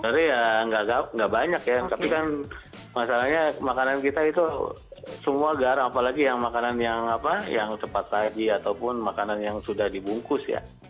sebenarnya ya nggak banyak ya tapi kan masalahnya makanan kita itu semua garam apalagi yang makanan yang cepat saji ataupun makanan yang sudah dibungkus ya